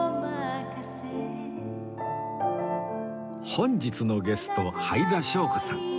本日のゲストはいだしょうこさん